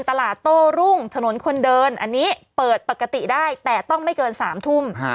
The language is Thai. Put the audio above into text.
โต้รุ่งถนนคนเดินอันนี้เปิดปกติได้แต่ต้องไม่เกิน๓ทุ่ม